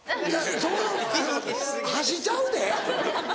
その箸ちゃうで？